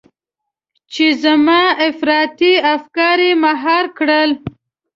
چې زما افراطي افکار يې مهار کړل.